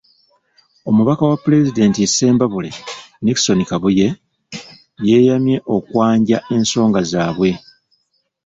Omubaka wa Pulezidenti e Ssembabule, Nickson Kabuye, yeeyamye okwanja ensonga zaabwe.